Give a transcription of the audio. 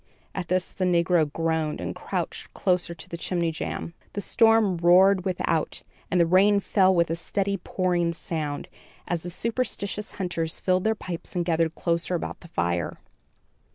At this the negro groaned and crouched closer to the chimney jamb. The storm roared without, and the rain fell with a steady pouring sound, as the superstitious hunters filled their pipes and gathered closer about the fire.